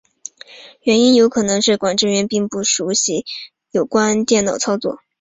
原因有可能是管制员并不熟习有关电脑操作。